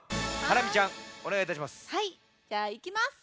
ハラミちゃんおねがいいたします。